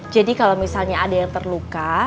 jadi kalo misalnya ada yang terluka